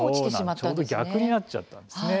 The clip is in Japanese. ちょうど逆になっちゃったんですね。